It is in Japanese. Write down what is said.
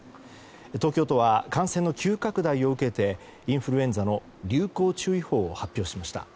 東京都は感染の急拡大を受けてインフルエンザの流行注意報を発表しました。